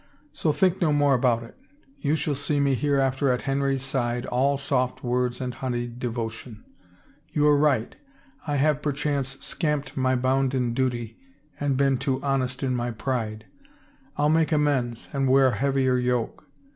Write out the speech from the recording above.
So think no more about it You shall see me hereafter at Henry's side all soft words and honeyed devotion. You are right — I have perchance scamped my bounden duty and been too honest in my pride — Til make amends and wear a heavier yoke."